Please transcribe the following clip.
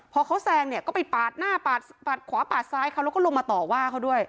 พอเขาแซงเนี่ยก็ไปปาดหน้าปาดขวาปาดซ้ายเขาแล้วก็ลงมาต่อว่าเขาด้วย